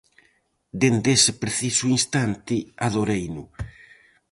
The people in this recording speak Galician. Dende ese preciso instante, adoreino.